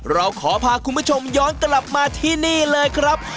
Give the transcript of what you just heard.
เราขอพาคุณผู้ชมย้อนกลับมาที่นี่เลยครับ